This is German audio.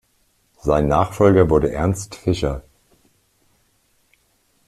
Sein Nachfolger wurde Ernst Fischer.